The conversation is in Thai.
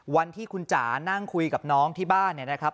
วันที่คุณจ๋านั่งคุยกับน้องที่บ้านเนี่ยนะครับ